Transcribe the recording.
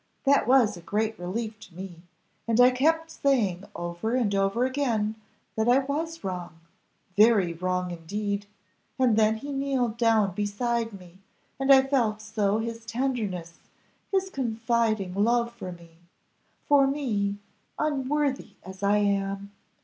That was a great relief to me, and I kept saying over and over again, that I was wrong very wrong indeed! and then he kneeled down beside me, and I so felt his tenderness, his confiding love for me for me, unworthy as I am."